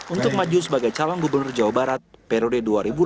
untuk maju sebagai calon gubernur jawa barat periode dua ribu delapan belas dua ribu